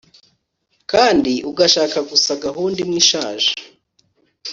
kandi ugashaka gusa gahunda imwe ishaje